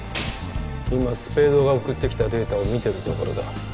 今スペードが送ってきたデータを見てるところだ